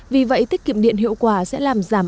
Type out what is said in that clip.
vì vậy tiết kiệm điện hiệu quả sẽ làm giảm